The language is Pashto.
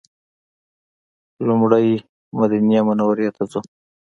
لومړی مدینې منورې ته ځو.